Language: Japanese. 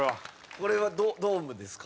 これはドームですか？